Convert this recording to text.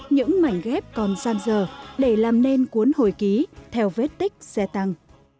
những mảnh ghép còn gian dờ để làm nên cuốn hồi ký theo vết tích xe tăng